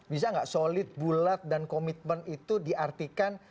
bisa nggak solid bulat dan komitmen itu diartikan